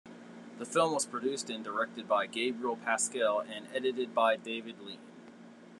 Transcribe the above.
The film was produced and directed by Gabriel Pascal and edited by David Lean.